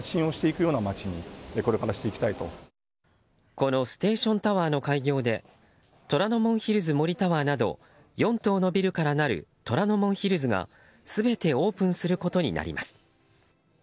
このステーションタワーの開業で虎ノ門ヒルズ森タワーなど４棟のビルからなる虎ノ門ヒルズが全てオープンすることになります。